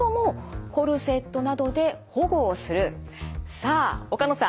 さあ岡野さん